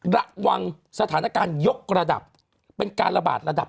ระวังสถานการณ์ยกระดับเป็นการระบาดระดับ